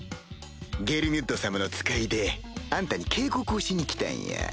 ゲルミュッド様の使いであんたに警告をしに来たんや。